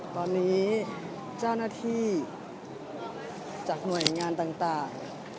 ตอนนี้เจ้าหน้าที่จากหน่วยงานต่าง